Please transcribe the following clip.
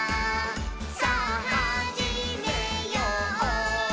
さぁはじめよう」